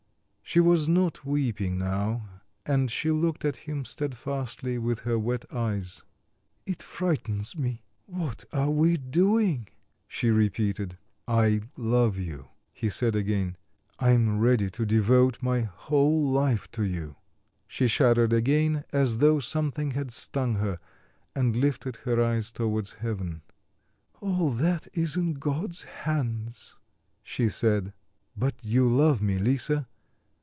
She was not weeping now, and she looked at him steadfastly with her wet eyes. "It frightens me: what are we doing?" she repeated. "I love you," he said again. "I am ready to devote my whole life to you." She shuddered again, as though something had stung her, and lifted her eyes towards heaven. "All that is in God's hands," she said. "But you love me, Lisa?